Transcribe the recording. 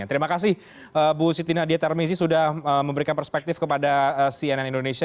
terima kasih bu siti nadia tarmizi sudah memberikan perspektif kepada cnn indonesia